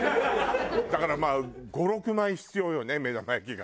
だからまあ５６枚必要よね目玉焼きが。